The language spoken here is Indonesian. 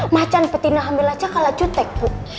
makan petina hamil aja kalah cutek